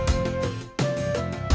tasik tasik tasik